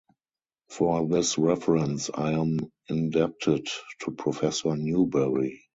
For this reference I am indebted to Professor Newberry.